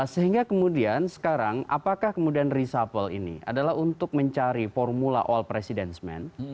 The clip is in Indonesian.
sehingga kemudian sekarang apakah kemudian reshuffle ini adalah untuk mencari formula all president men